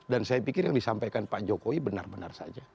dan saya pikir yang disampaikan pak jokowi benar benar saja